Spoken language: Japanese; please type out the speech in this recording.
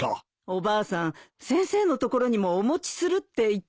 おばあさん先生のところにもお持ちするって言ってましたよ。